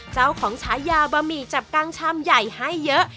เจ้าของชายาบะหมี่จับกางช้ำใหญ่ให้เยอะ